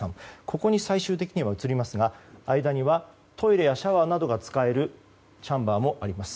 ここに最終的には移りますが間にはトイレやシャワーなどが使えるチャンバーもあります。